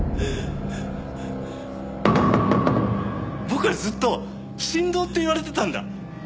僕はずっと神童って言われてたんだ。